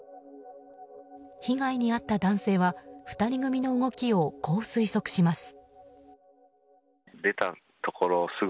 被害に遭った男性は２人組の動きをこう推測します。